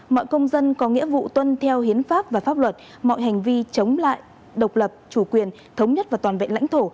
mọi công dân có nghĩa vụ tuân theo hiến pháp và pháp luật mọi hành vi chống lại độc lập chủ quyền thống nhất và toàn vẹn lãnh thổ